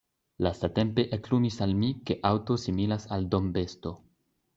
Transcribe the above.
Lastatempe eklumis al mi, ke aŭto similas al dombesto.